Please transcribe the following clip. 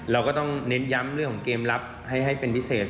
เราก็ต้องเน้นย้ำเรื่องของเกมรับให้เป็นพิเศษ